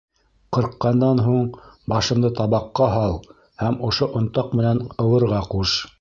Ҡырҡҡандан һуң, башымды табаҡҡа һал да ошо онтаҡ менән ыуырға ҡуш.